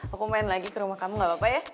aku main lagi ke rumah kamu gapapa ya